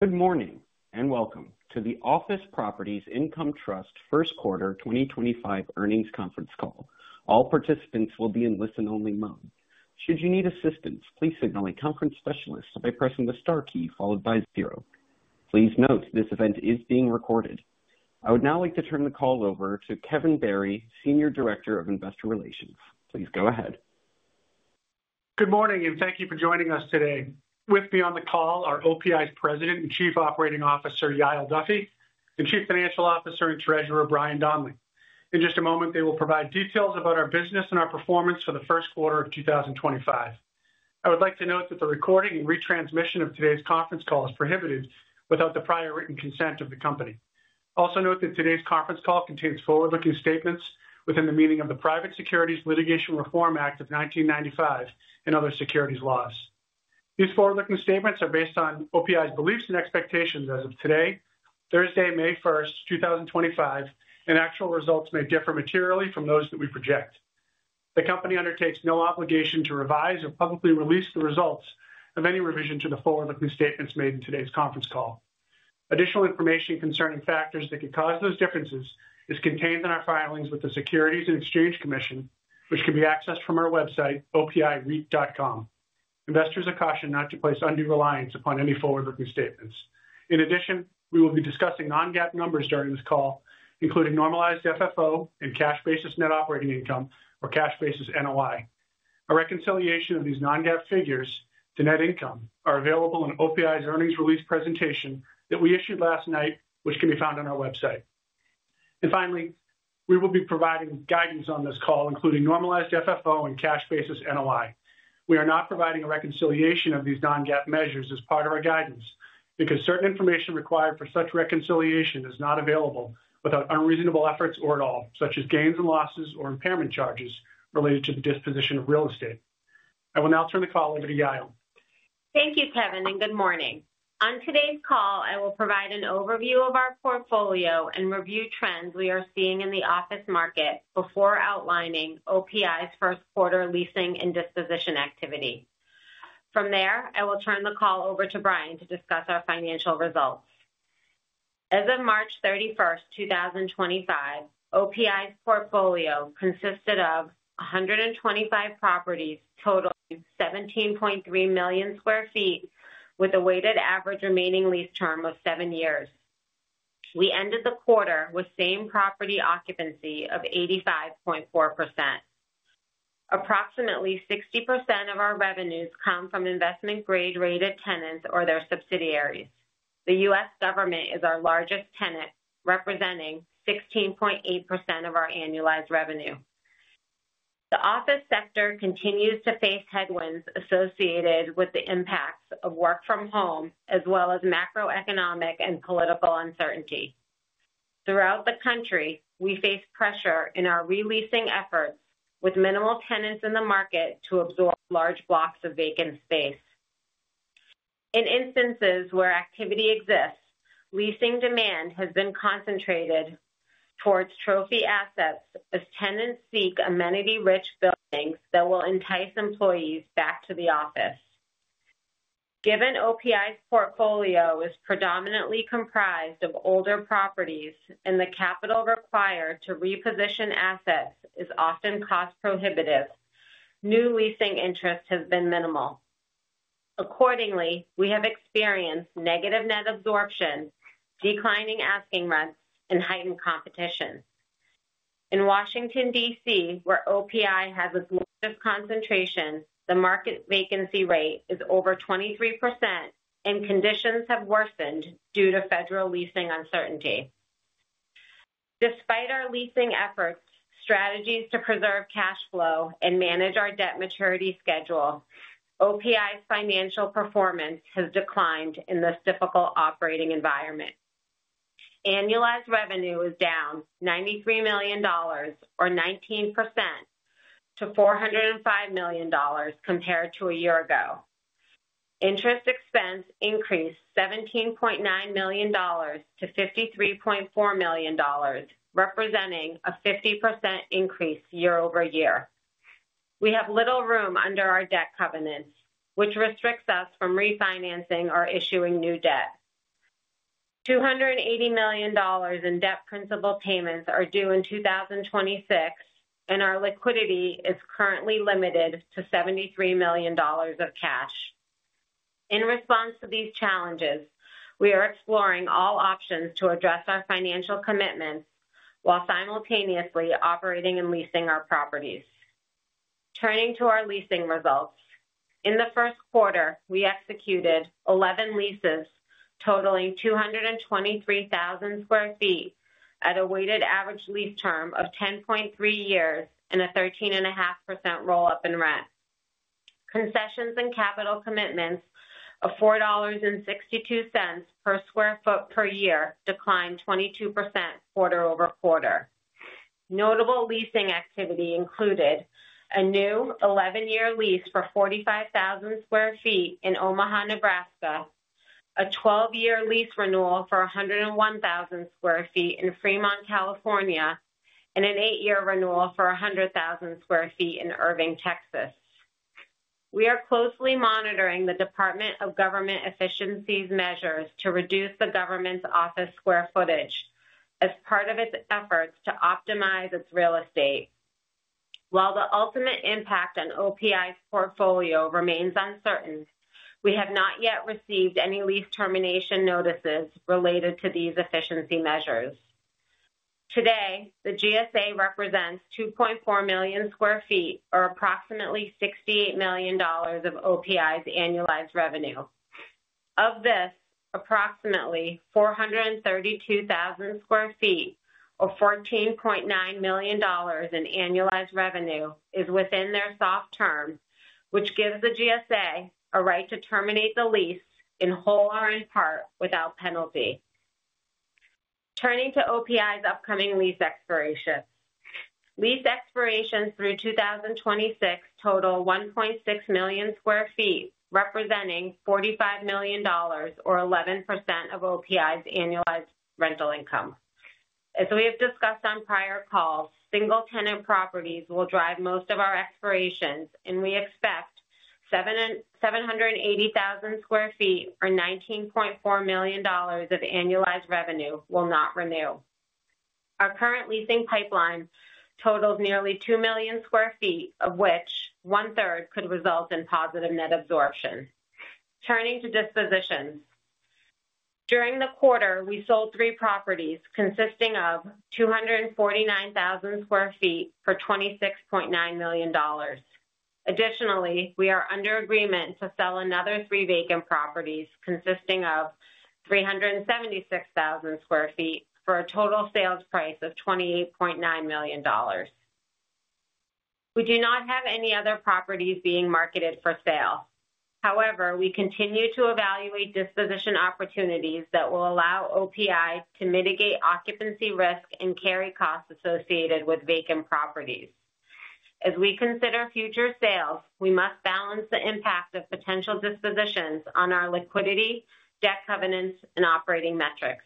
Good morning and welcome to the Office Properties Income Trust first quarter 2025 earnings conference call. All participants will be in listen-only mode. Should you need assistance, please signal a conference specialist by pressing the star key followed by zero. Please note this event is being recorded. I would now like to turn the call over to Kevin Barry, Senior Director of Investor Relations. Please go ahead. Good morning and thank you for joining us today. With me on the call are OPI's President and Chief Operating Officer Yael Duffy and Chief Financial Officer and Treasurer Brian Donley. In just a moment, they will provide details about our business and our performance for the first quarter of 2025. I would like to note that the recording and retransmission of today's conference call is prohibited without the prior written consent of the company. Also note that today's conference call contains forward-looking statements within the meaning of the Private Securities Litigation Reform Act of 1995 and other securities laws. These forward-looking statements are based on OPI's beliefs and expectations as of today, Thursday, May 1st, 2025, and actual results may differ materially from those that we project. The company undertakes no obligation to revise or publicly release the results of any revision to the forward-looking statements made in today's conference call. Additional information concerning factors that could cause those differences is contained in our filings with the Securities and Exchange Commission, which can be accessed from our website, opire.com. Investors are cautioned not to place undue reliance upon any forward-looking statements. In addition, we will be discussing non-GAAP numbers during this call, including normalized FFO and cash basis net operating income, or cash basis NOI. A reconciliation of these non-GAAP figures to net income is available in OPI's earnings release presentation that we issued last night, which can be found on our website. Finally, we will be providing guidance on this call, including normalized FFO and cash basis NOI. We are not providing a reconciliation of these non-GAAP measures as part of our guidance because certain information required for such reconciliation is not available without unreasonable efforts or at all, such as gains and losses or impairment charges related to the disposition of real estate. I will now turn the call over to Yael. Thank you, Kevin, and good morning. On today's call, I will provide an overview of our portfolio and review trends we are seeing in the office market before outlining OPI's first quarter leasing and disposition activity. From there, I will turn the call over to Brian to discuss our financial results. As of March 31st, 2025, OPI's portfolio consisted of 125 properties, totaling 17.3 million sq ft, with a weighted average remaining lease term of seven years. We ended the quarter with same property occupancy of 85.4%. Approximately 60% of our revenues come from investment-grade rated tenants or their subsidiaries. The U.S. government is our largest tenant, representing 16.8% of our annualized revenue. The office sector continues to face headwinds associated with the impacts of work from home, as well as macroeconomic and political uncertainty. Throughout the country, we face pressure in our releasing efforts with minimal tenants in the market to absorb large blocks of vacant space. In instances where activity exists, leasing demand has been concentrated towards trophy assets as tenants seek amenity-rich buildings that will entice employees back to the office. Given OPI's portfolio is predominantly comprised of older properties and the capital required to reposition assets is often cost prohibitive, new leasing interest has been minimal. Accordingly, we have experienced negative net absorption, declining asking rents, and heightened competition. In Washington, D.C., where OPI has a glorious concentration, the market vacancy rate is over 23%, and conditions have worsened due to federal leasing uncertainty. Despite our leasing efforts, strategies to preserve cash flow, and manage our debt maturity schedule, OPI's financial performance has declined in this difficult operating environment. Annualized revenue is down $93 million, or 19%, to $405 million compared to a year ago. Interest expense increased $17.9 million to $53.4 million, representing a 50% increase year-over-year. We have little room under our debt covenants, which restricts us from refinancing or issuing new debt. $280 million in debt principal payments are due in 2026, and our liquidity is currently limited to $73 million of cash. In response to these challenges, we are exploring all options to address our financial commitments while simultaneously operating and leasing our properties. Turning to our leasing results, in the first quarter, we executed 11 leases totaling 223,000 sq ft at a weighted average lease term of 10.3 years and a 13.5% roll-up in rent. Concessions and capital commitments of $4.62 per sq ft per year declined 22% quarter-over-quarter. Notable leasing activity included a new 11-year lease for 45,000 sq ft in Omaha, Nebraska, a 12-year lease renewal for 101,000 sq ft in Fremont, California, and an 8-year renewal for 100,000 sq ft in Irving, Texas. We are closely monitoring the Department of Government Efficiencies measures to reduce the government's office sq ft as part of its efforts to optimize its real estate. While the ultimate impact on OPI's portfolio remains uncertain, we have not yet received any lease termination notices related to these efficiency measures. Today, the GSA represents 2.4 million sq ft, or approximately $68 million of OPI's annualized revenue. Of this, approximately 432,000 sq ft, or $14.9 million in annualized revenue, is within their soft term, which gives the GSA a right to terminate the lease in whole or in part without penalty. Turning to OPI's upcoming lease expirations. Lease expirations through 2026 total 1.6 million sq ft, representing $45 million, or 11% of OPI's annualized rental income. As we have discussed on prior calls, single-tenant properties will drive most of our expirations, and we expect 780,000 sq ft, or $19.4 million, of annualized revenue will not renew. Our current leasing pipeline totals nearly 2 million sq ft, of which one-third could result in positive net absorption. Turning to dispositions. During the quarter, we sold three properties consisting of 249,000 sq ft for $26.9 million. Additionally, we are under agreement to sell another three vacant properties consisting of 376,000 sq ft for a total sales price of $28.9 million. We do not have any other properties being marketed for sale. However, we continue to evaluate disposition opportunities that will allow OPI to mitigate occupancy risk and carry costs associated with vacant properties. As we consider future sales, we must balance the impact of potential dispositions on our liquidity, debt covenants, and operating metrics.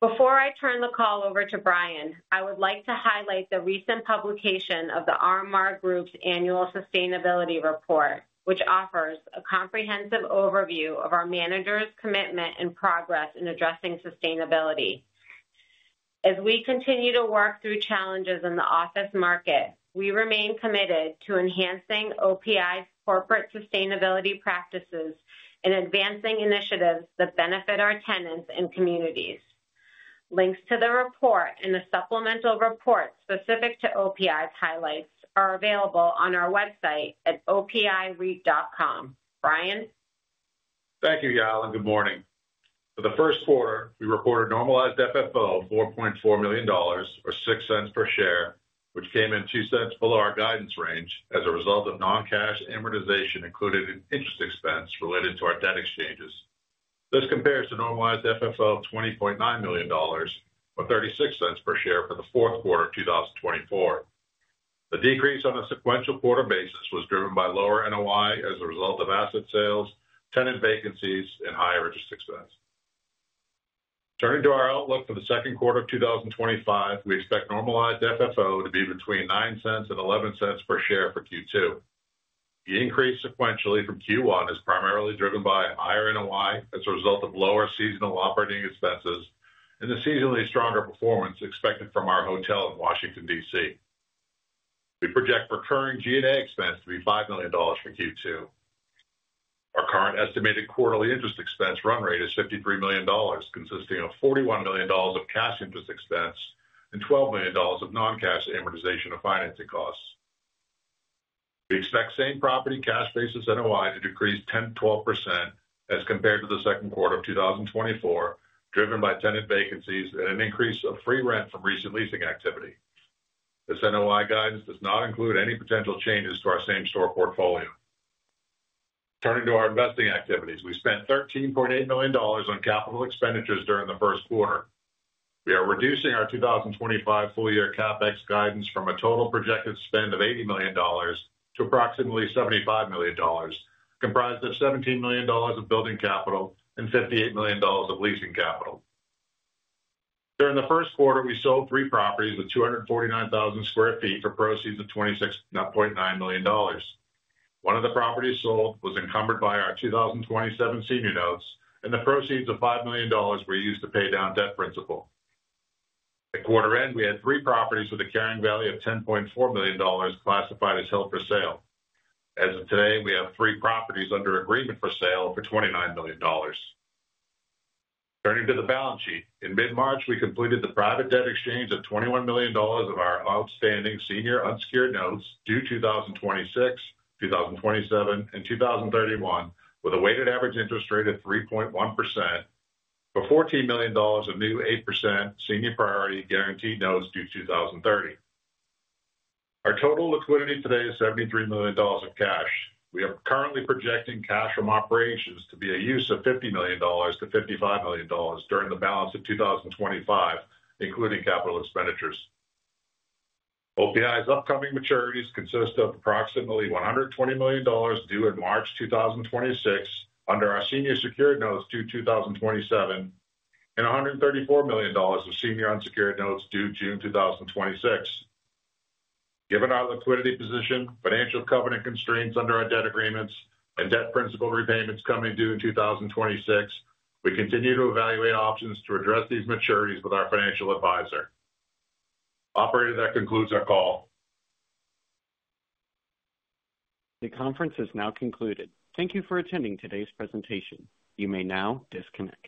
Before I turn the call over to Brian, I would like to highlight the recent publication of the RMR Group's annual sustainability report, which offers a comprehensive overview of our managers' commitment and progress in addressing sustainability. As we continue to work through challenges in the office market, we remain committed to enhancing OPI's corporate sustainability practices and advancing initiatives that benefit our tenants and communities. Links to the report and the supplemental reports specific to OPI's highlights are available on our website at opire.com. Brian? Thank you, Yael, and good morning. For the first quarter, we reported normalized FFO of $4.4 million, or $0.06 per share, which came in $0.02 below our guidance range as a result of non-cash amortization included in interest expense related to our debt exchanges. This compares to normalized FFO of $20.9 million, or $0.36 per share for the fourth quarter of 2024. The decrease on a sequential quarter basis was driven by lower NOI as a result of asset sales, tenant vacancies, and higher interest expense. Turning to our outlook for the second quarter of 2025, we expect normalized FFO to be between $0.09 and $0.11 per share for Q2. The increase sequentially from Q1 is primarily driven by higher NOI as a result of lower seasonal operating expenses and the seasonally stronger performance expected from our hotel in Washington, D.C. We project recurring G&A expense to be $5 million for Q2. Our current estimated quarterly interest expense run rate is $53 million, consisting of $41 million of cash interest expense and $12 million of non-cash amortization of financing costs. We expect same property cash basis NOI to decrease 10%-12% as compared to the second quarter of 2024, driven by tenant vacancies and an increase of free rent from recent leasing activity. This NOI guidance does not include any potential changes to our same store portfolio. Turning to our investing activities, we spent $13.8 million on capital expenditures during the first quarter. We are reducing our 2025 full-year CapEx guidance from a total projected spend of $80 million to approximately $75 million, comprised of $17 million of building capital and $58 million of leasing capital. During the first quarter, we sold three properties of 249,000 sq ft for proceeds of $26.9 million. One of the properties sold was encumbered by our 2027 senior notes, and the proceeds of $5 million were used to pay down debt principal. At quarter end, we had three properties with a carrying value of $10.4 million classified as held for sale. As of today, we have three properties under agreement for sale for $29 million. Turning to the balance sheet, in mid-March, we completed the private debt exchange of $21 million of our outstanding senior unsecured notes due 2026, 2027, and 2031, with a weighted average interest rate of 3.1%, for $14 million of new 8% senior priority guaranteed notes due 2030. Our total liquidity today is $73 million of cash. We are currently projecting cash from operations to be a use of $50 million-$55 million during the balance of 2025, including capital expenditures. OPI's upcoming maturities consist of approximately $120 million due in March 2026 under our senior secured notes due 2027, and $134 million of senior unsecured notes due June 2026. Given our liquidity position, financial covenant constraints under our debt agreements, and debt principal repayments coming due in 2026, we continue to evaluate options to address these maturities with our financial advisor. Operator, that concludes our call. The conference has now concluded. Thank you for attending today's presentation. You may now disconnect.